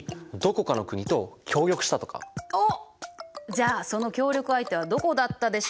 じゃあその協力相手はどこだったでしょうか？